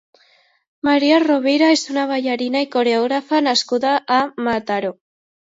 Maria Rovira és una ballarina i coreògrafa nascuda a Mataró.